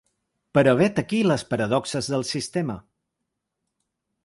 Però vet aquí les paradoxes del sistema.